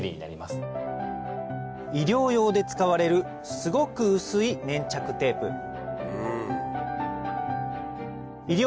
医療用で使われるすごく薄い粘着テープ医療